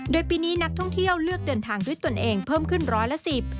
โดยปีนี้นักท่องเที่ยวเลือกเดินทางด้วยตนเองเพิ่มขึ้นร้อยละสิบ